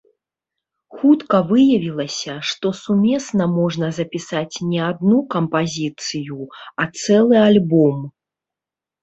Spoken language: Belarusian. Хутка выявілася, што сумесна можна запісаць не адну кампазіцыю, а цэлы альбом.